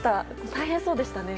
大変そうでしたね。